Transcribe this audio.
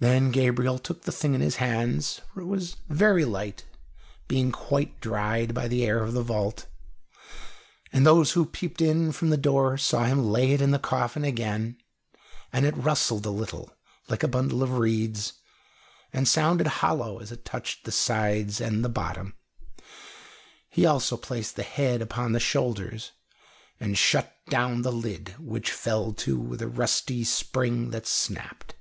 Then Gabriel took the thing in his hands, for it was very light, being quite dried by the air of the vault, and those who peeped in from the door saw him lay it in the coffin again, and it rustled a little, like a bundle of reeds, and sounded hollow as it touched the sides and the bottom. He also placed the head upon the shoulders and shut down the lid, which fell to with a rusty spring that snapped.